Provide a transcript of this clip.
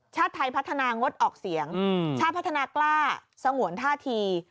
ชาติไทยพัฒนางดออกเสียงชาติพัฒนากล้าสงวนท่าที